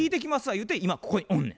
言うて今ここにおんねん。